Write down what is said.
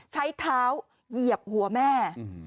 ใช้เท้าเหยียบหัวแม่